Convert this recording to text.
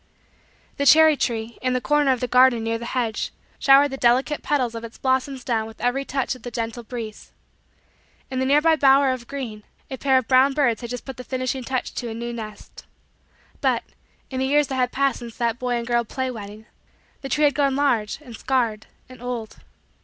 The cherry tree, in the corner of the garden near the hedge, showered the delicate petals of its blossoms down with every touch of the gentle breeze. In the nearby bower of green, a pair of brown birds had just put the finishing touch to a new nest. But, in the years that had passed since that boy and girl play wedding, the tree had grown large, and scarred, and old.